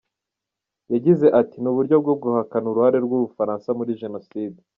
Yagize ati “Ni uburyo bwo guhakana uruhare rw’u Bufaransa muri Jenoside.